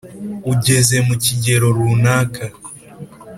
ugeze mu kigero runaka